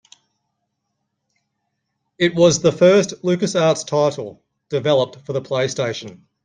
It was the first LucasArts title developed for the PlayStation.